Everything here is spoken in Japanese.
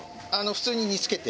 普通に煮付けて。